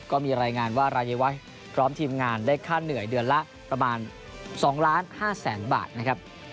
ก็มีรายงานว่ารายวัชพร้อมทีมงานได้ค่าเหนื่อยเดือนละประมาณ๒ล้าน๕แสนบาทนะครับ